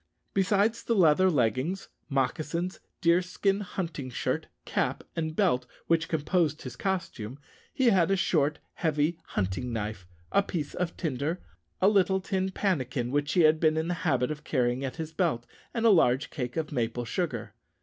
Besides the leather leggings, moccasins, deerskin hunting shirt, cap, and belt which composed his costume, he had a short heavy hunting knife, a piece of tinder, a little tin pannikin, which he had been in the habit of carrying at his belt, and a large cake of maple sugar.